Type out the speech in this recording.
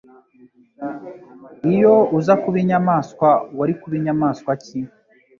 Iyo uza kuba inyamaswa, wari kuba inyamaswa ki?